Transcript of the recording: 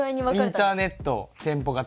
インターネット店舗型。